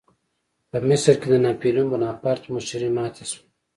په مصر کې د ناپلیون بناپارټ په مشرۍ ماتې شوه.